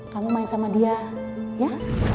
kamu main sama dia ya